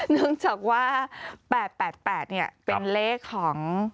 ใช่นึกจากว่า๘๘๘เนี่ยเป็นเลขของ